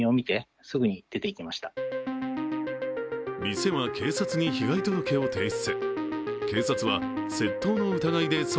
店は警察に被害届を提出。